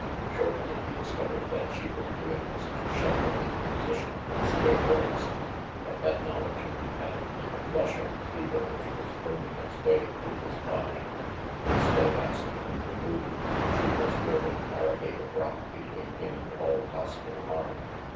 Shortly he discovered that she was doing this to shelter his position from stray bullets; but that knowledge only added to the flush of the fever which was burning its way through his body. Instead of asking him to move, she was building a barricade of rock between him and all possible harm.